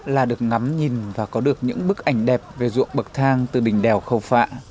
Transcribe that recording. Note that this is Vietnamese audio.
là được ngắm nhìn và có được những bức ảnh đẹp về ruộng bậc thang từ đỉnh đèo khẩu phạ